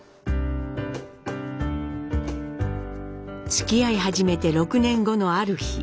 つきあい始めて６年後のある日。